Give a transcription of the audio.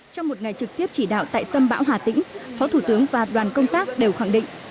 trong một ngày trực tiếp chỉ đạo tại tâm bão hà tĩnh phó thủ tướng và đoàn công tác đều khẳng định